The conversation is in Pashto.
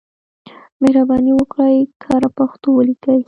مهرباني وکړئ کره پښتو ولیکئ.